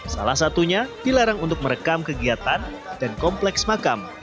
salah satunya dilarang untuk merekam kegiatan dan kompleks makam